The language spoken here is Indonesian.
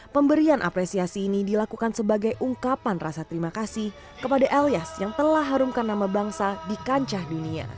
pemberian apresiasi ini dilakukan sebagai ungkapan rasa terima kasih kepada elias yang telah harumkan nama bangsa di kancah dunia